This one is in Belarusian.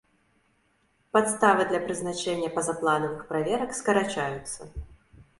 Падставы для прызначэння пазапланавых праверак скарачаюцца.